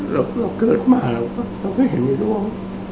เราเกิดมาเราก็เห็นอยู่ด้วย